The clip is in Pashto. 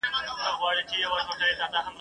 خوږې شپې د نعمتونو یې سوې هیري ..